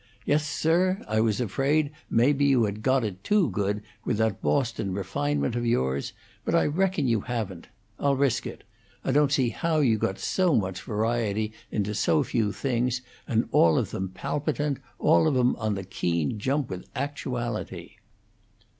Yes, sir! I was afraid maybe you had got it too good, with that Boston refinement of yours; but I reckon you haven't. I'll risk it. I don't see how you got so much variety into so few things, and all of them palpitant, all of 'em on the keen jump with actuality."